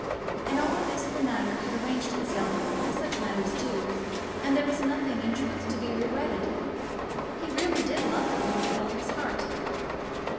In all this the matter had arranged itself as such matters do, and there was nothing, in truth, to be regretted. He really did love the girl with all his heart.